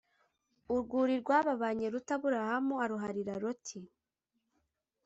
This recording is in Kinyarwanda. Urwuri rwababanye ruto Aburahamu aruharira Loti